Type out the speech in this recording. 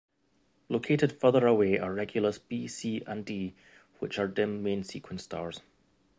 Located farther away are Regulus B, C, and D, which are dim main-sequence stars.